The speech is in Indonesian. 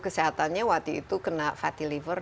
kesehatannya waktu itu kena fatty liver